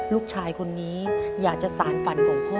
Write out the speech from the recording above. ลูกชายคนนี้อยากจะสารฝันของพ่อ